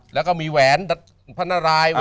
แล้วมีวแหวนราหู